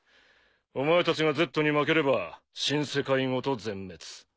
お前たちがＺに負ければ新世界ごと全滅。